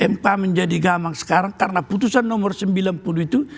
mk menjadi gamang sekarang karena putusan nomor sembilan puluh itu